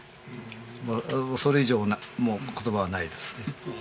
それ以上言葉はないですね。